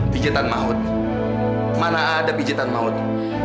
pijitan maut mana ada pijatan maut